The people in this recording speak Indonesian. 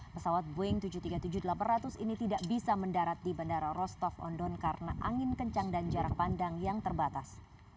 pesawat boeing tujuh ratus tiga puluh tujuh delapan ratus ini tidak bisa mendarat di bandara rostov on don karena angin kencang dan jarak pandang yang terbatas